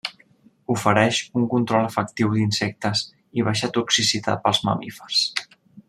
Ofereix un control efectiu d'insectes i baixa toxicitat pels mamífers.